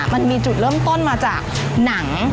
มันมีจุดเริ่มต้นมาจากหนัง